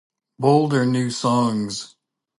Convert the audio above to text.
Bold are new songs.